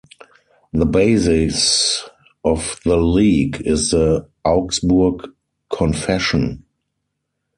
The basis of the league is the Augsburg Confession.